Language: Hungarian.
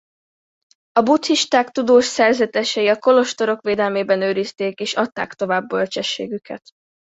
A buddhisták tudós szerzetesei a kolostorok védelmében őrizték és adták tovább bölcsességüket.